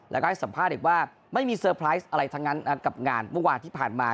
แล้วก็ให้สัมภาษณ์อีกว่าไม่มีเซอร์ไพรส์อะไรทั้งนั้นกับงานเมื่อวานที่ผ่านมา